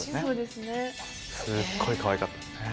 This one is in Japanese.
すっごいかわいかったね。